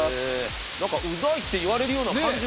なんかうざいって言われるような感じもない。